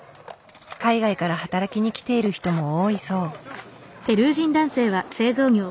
海外から働きにきている人も多いそう。